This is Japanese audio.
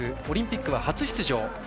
オリンピックは初出場。